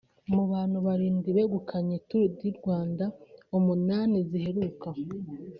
Mu bantu barindwi begukanye Tour du Rwanda umunani ziheruka